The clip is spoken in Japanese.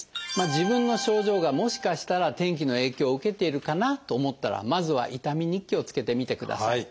自分の症状がもしかしたら天気の影響を受けているかなと思ったらまずは「痛み日記」をつけてみてください。